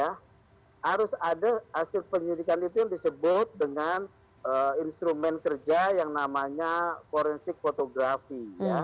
harus ada hasil penyidikan itu yang disebut dengan instrumen kerja yang namanya forensik fotografi